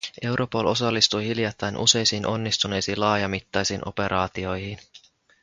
Europol osallistui hiljattain useisiin onnistuneisiin laajamittaisiin operaatioihin.